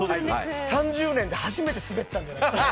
３０年で初めてすべったんじゃないですか。